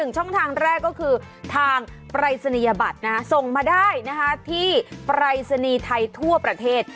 ช่องทางแรกก็คือทางปรายศนียบัตรส่งมาได้ที่ปรายศนีย์ไทยทั่วประเทศ